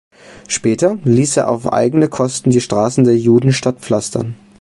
Später ließ er auf eigene Kosten die Straßen der Judenstadt pflastern.